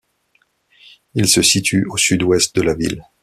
Il se situe au sud-ouest de la ville.